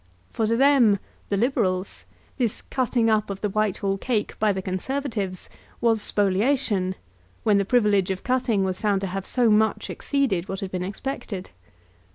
For to them, the Liberals, this cutting up of the Whitehall cake by the Conservatives was spoliation when the privilege of cutting was found to have so much exceeded what had been expected.